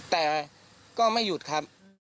แต่ก็ไม่หยุดครับ